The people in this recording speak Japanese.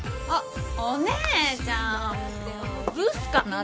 あっ。